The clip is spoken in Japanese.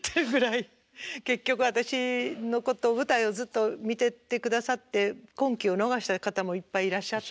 結局私のこと舞台をずっと見ててくださって婚期を逃した方もいっぱいいらっしゃって。